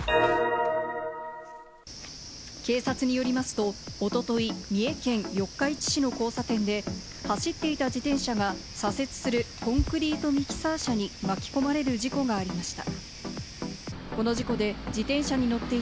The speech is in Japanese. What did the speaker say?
警察によりますと、おととい、三重県四日市市の交差点で走っていた自転車が左折するコンクリートミキサー車に巻き込まれる事故がありました。